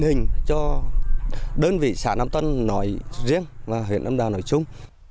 hình cho đơn vị xã nam tân nói riêng và huyện nam đào nói chung